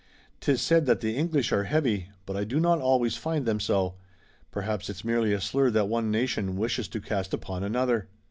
'Tis said that the English are heavy, but I do not always find them so. Perhaps it's merely a slur that one nation wishes to cast upon another."